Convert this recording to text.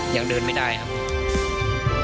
ยังเดินไม่ได้ครับ